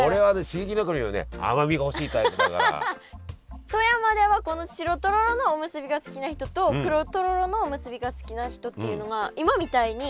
刺激の中にもね富山ではこの白とろろのおむすびが好きな人と黒とろろのおむすびが好きな人っていうのが今みたいに。